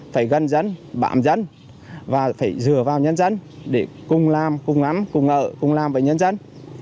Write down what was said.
phải gân dân bạm dân và phải dừa vào nhân dân để cùng làm cùng ngắm cùng ngợ cùng làm với nhân dân